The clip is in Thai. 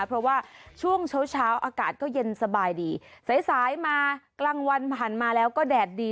เพราะว่าช่วงเช้าเช้าอากาศก็เย็นสบายดีสายสายมากลางวันผ่านมาแล้วก็แดดดี